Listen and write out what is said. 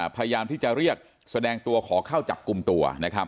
พยายามที่จะเรียกแสดงตัวขอเข้าจับกลุ่มตัวนะครับ